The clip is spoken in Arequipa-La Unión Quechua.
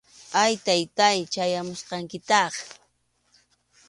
Ay, Taytáy, chayamusqankitaq